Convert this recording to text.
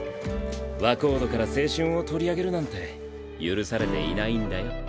若人から青春を取り上げるなんて許されていないんだよ。